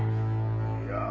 いや。